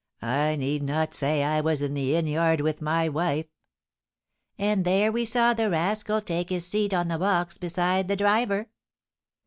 I need not say I was in the inn yard with my wife." "And there we saw the rascal take his seat on the box beside the driver."